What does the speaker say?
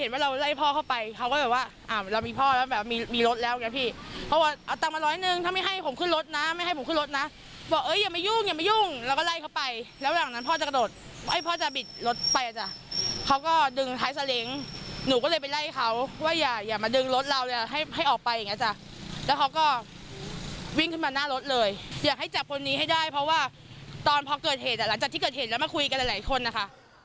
ตอนพอเกิดเหตุหลังจากที่เกิดเหตุแล้วมาคุยกันกันหลายคนนะคะ